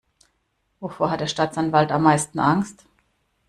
Wovor hat der Staatsanwalt am meisten Angst?